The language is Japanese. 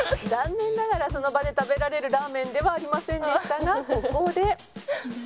「残念ながらその場で食べられるラーメンではありませんでしたがここで」